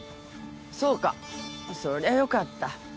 そうかそりゃよかった。